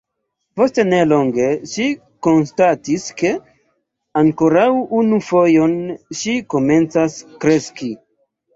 Post ne longe ŝi konstatis ke ankoraŭ unu fojon ŝi komencas kreski.